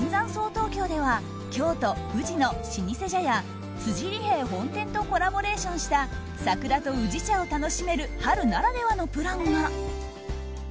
東京では京都・宇治の老舗茶屋辻利兵衛本店とコラボレーションした桜と宇治茶を楽しめる春ならではのプランが。